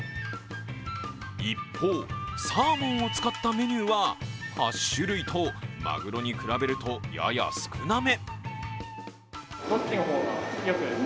一方、サーモンを使ったメニューは８種類と、マグロに比べるとやや少なめ。